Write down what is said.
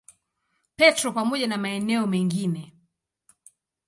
Petro pamoja na maeneo mengine.